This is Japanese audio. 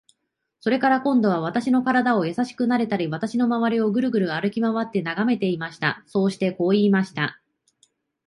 それから、今度は私の身体をやさしくなでたり、私のまわりをぐるぐる歩きまわって眺めていました。そしてこう言いました。